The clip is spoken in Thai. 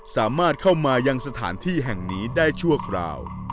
สามารถเข้ามายังสถานที่แห่งนี้ได้ชั่วคราว